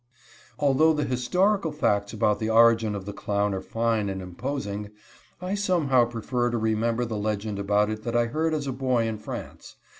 Although the historical facts about the origin of the clown are fine and imposing, I somehow prefer to remember the legend about it that I heard as a boy in France.